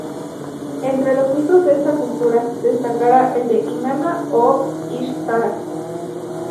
Entre los mitos de esta cultura, destacará el de Inanna o Ishtar.